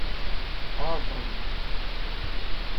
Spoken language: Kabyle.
Aḍen.